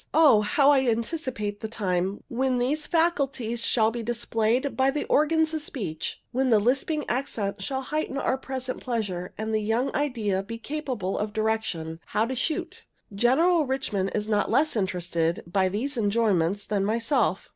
O, how I anticipate the time when these faculties shall be displayed by the organs of speech, when the lisping accent shall heighten our present pleasure, and the young idea be capable of direction "how to shoot"! General Richman is not less interested by these enjoyments than myself.